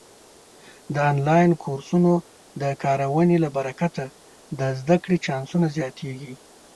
د آنلاین کورسونو د کارونې له برکته د زده کړې چانسونه زیاتېږي.